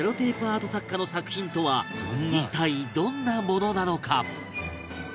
アート作家の作品とは一体どんなものなのか？